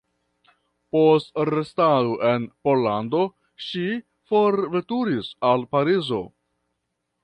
Post restado en Pollando ŝi forveturis al Parizo.